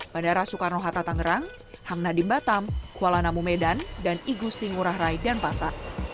bandara soekarno hatta tangerang hamnadim batam kuala namu medan dan igusti ngurah rai dan pasar